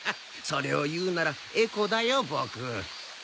それを言うならエコだよボク。